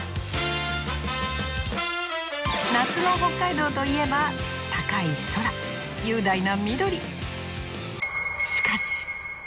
夏の北海道といえば高い空雄大な緑。